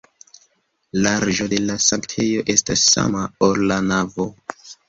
Larĝo de la sanktejo estas sama, ol la navo.